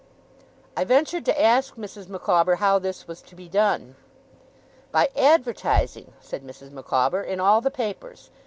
I ventured to ask Mrs. Micawber how this was to be done. 'By advertising,' said Mrs. Micawber 'in all the papers.